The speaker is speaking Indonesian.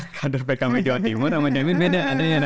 kadur pkb jawa timur sama cak imin beda